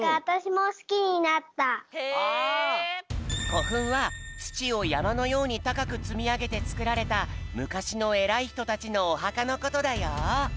こふんはつちをやまのようにたかくつみあげてつくられたむかしのえらいひとたちのおはかのことだよ。